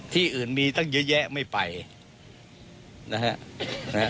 ที่อื่นมีตั้งเยอะแยะไม่ไปนะฮะ